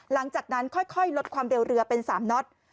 หลังจากนั้นค่อยลดความเร็วเรือเป็น๓น็อต